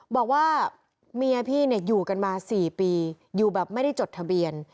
บอกว่าเมียพี่อยู่กันมา๔ปีอยู่แบบไม่ได้จดทะเบียน